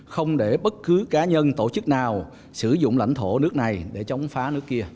không để bất cứ cá nhân tổ chức nào sử dụng lãnh thổ nước này để chống phá nước kia